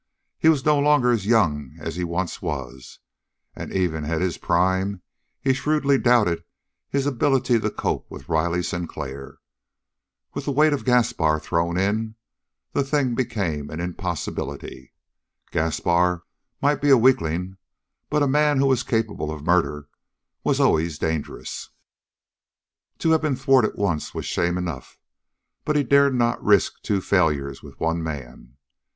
He was no longer as young as he once was, and even at his prime he shrewdly doubted his ability to cope with Riley Sinclair. With the weight of Gaspar thrown in, the thing became an impossibility. Gaspar might be a weakling, but a man who was capable of murder was always dangerous. To have been thwarted once was shame enough, but he dared not risk two failures with one man.